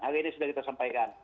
hari ini sudah kita sampaikan